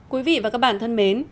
quý vị và các bạn thân mến